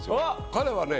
彼はね